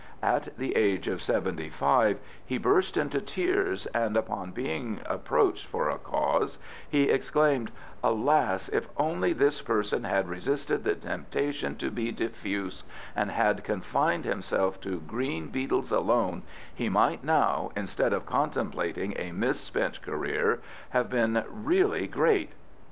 At the age of seventy five he burst into tears, and upon being approached for a cause he exclaimed, 'Alas, if only this person had resisted the temptation to be diffuse, and had confined himself to green beetles alone, he might now, instead of contemplating a misspent career, have been really great.